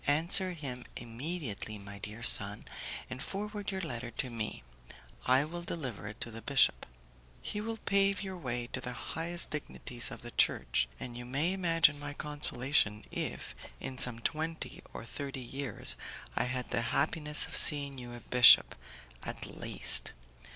Answer him immediately, my dear son, and forward your letter to me; I will deliver it to the bishop. He will pave your way to the highest dignities of the Church, and you may imagine my consolation if, in some twenty or thirty years, I had the happiness of seeing you a bishop, at least!